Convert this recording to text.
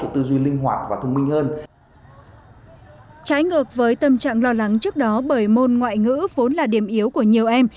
trái ngược với tâm trạng lo lắng trước đó bởi môn ngoại ngữ vốn là điểm yếu của nhiều em